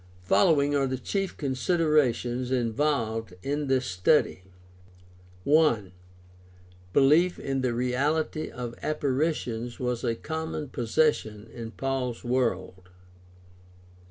Following are the chief considerations involved in this study: 1. Belief in the reality of apparitions was a common possession in Paul's world.